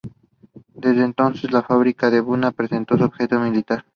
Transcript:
Desde entonces la fábrica Buna presentó un objetivo militar.